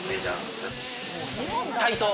体操。